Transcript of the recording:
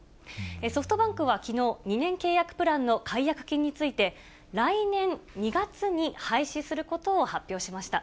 ソフトバンクはきのう、２年契約プランの解約金について、来年２月に廃止することを発表しました。